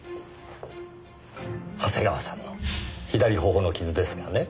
長谷川さんの左頬の傷ですがね